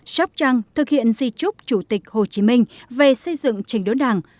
sóc trăng thực hiện di trúc chủ tịch hồ chí minh về xây dựng trình đốn đảng